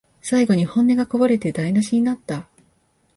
最後に本音がこぼれて台なしになった